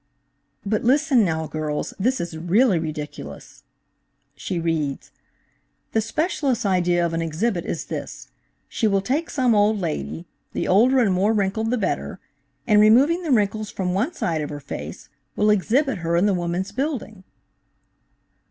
"But, listen now, girls, this is really ridiculous." (Reads.) "The specialist's idea of an exhibit is this: She will take some old lady, the older and more wrinkled the better, and removing the wrinkles from one side of her face, will exhibit her in the Woman's Building."